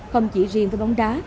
không chỉ riêng với bóng đá